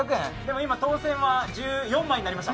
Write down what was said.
今、当せんは１４枚になりました。